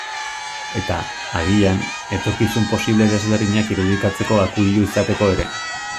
Eta, agian, etorkizun posible desberdinak irudikatzeko akuilu izateko ere.